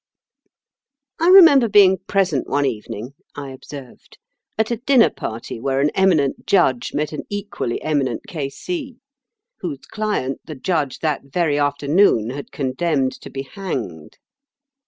"I remember being present one evening," I observed, "at a dinner party where an eminent judge met an equally eminent K. C.; whose client the judge that very afternoon had condemned to be hanged.